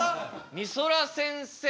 みそら先生。